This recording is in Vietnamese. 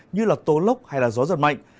như tố lốc hay là gió giật mạnh